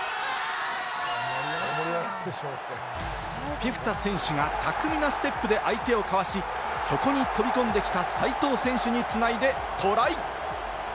フィフィタ選手が巧みなステップで相手をかわし、そこに飛び込んできた齋藤選手に繋いでトライ。